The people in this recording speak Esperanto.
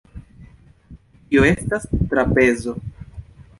Tio estas trapezo.